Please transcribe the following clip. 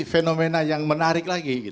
fenomena yang menarik lagi